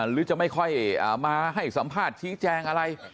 หรือจะไม่ค่อยมาให้สัมภาษณ์ชี้แจงอะไร